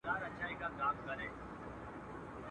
چي لاسونه ماتوم د زورورو.